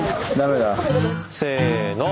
せの！